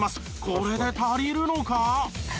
これで足りるのか？